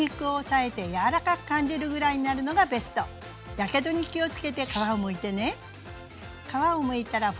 やけどに気を付けて皮をむいてね。